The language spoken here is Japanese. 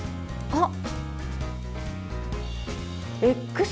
あっ。